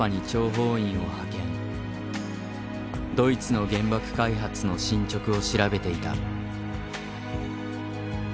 ドイツの原爆開発の進捗を調べていた。